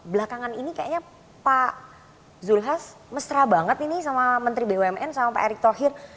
belakangan ini kayaknya pak zulhas mesra banget ini sama menteri bumn sama pak erick thohir